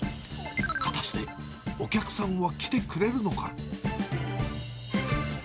果たして、お客さんは来てくれるのか。